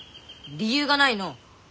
理由がないのう。